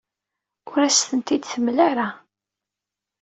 Ur asen-ten-id-temla ara.